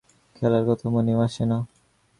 খেলার কথা মনেও আসে না।